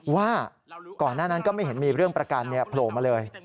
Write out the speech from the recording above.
ว่าก่อนหน้านั้นก็ไม่เห็นมีเรื่องประกันโผล่มาเลย